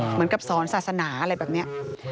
เหมือนกับสอนศาสนาอะไรแบบนี้